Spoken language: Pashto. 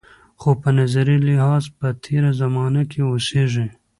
خو په نظري لحاظ په تېره زمانه کې اوسېږي.